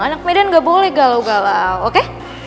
anak medan nggak boleh galau galau oke